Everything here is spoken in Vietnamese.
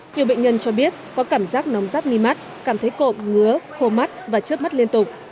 nhiều bệnh nhân cho biết có cảm giác nóng rát mi mắt cảm thấy cộm ngứa khô mắt và chớp mắt liên tục